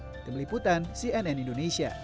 temeliputan cnn indonesia